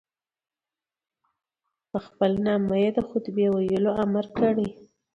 په خپل نامه یې خطبې ویلو امر کړی.